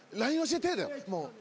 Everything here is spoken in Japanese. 「ＬＩＮＥ教えて」だよ。